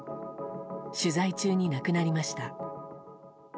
取材中に亡くなりました。